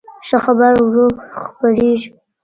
ښه خبر ورو خپرېږي